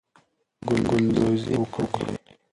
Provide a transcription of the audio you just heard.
ګلدوزی وکړئ.